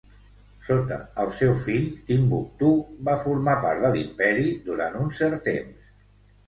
Sota el seu fill, Timbuktú va formar part de l'imperi durant un cert temps.